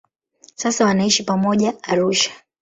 Sasa wanaishi pamoja Arusha.